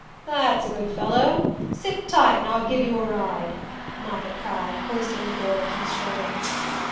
"That's a good fellow sit tight and I'll give you a ride," Moffatt cried, hoisting the boy to his shoulder.